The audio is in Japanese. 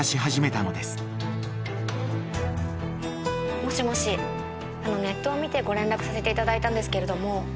もしもしネットを見てご連絡させていただいたんですけれども。